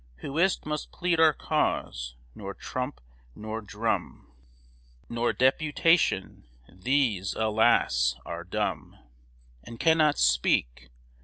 Who is't must plead our cause? nor trump, nor drum, Nor Deputation; these, alas! are dumb And cannot speak.